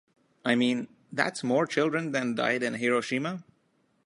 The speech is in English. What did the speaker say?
I mean, that's more children than died in Hiroshima.